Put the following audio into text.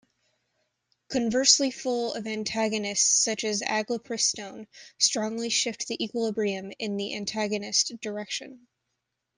Conversely full antagonists such as aglepristone strongly shift the equilibrium in the antagonist direction.